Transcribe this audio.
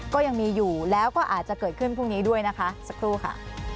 ก็ยังมีอยู่แล้วก็อาจจะเกิดขึ้นพรุ่งนี้ด้วยนะคะสักครู่ค่ะ